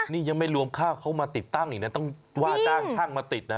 นี่ยังไม่รวมค่าเขามาติดตั้งอีกนะต้องว่าจ้างช่างมาติดนะ